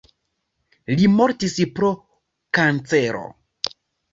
Li mortis pro kancero.